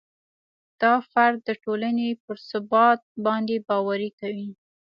دا فرد د ټولنې پر ثبات باندې باوري کوي.